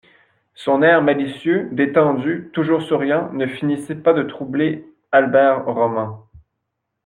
Son air malicieux, détendu, toujours souriant, ne finissait pas de troubler Albert Roman.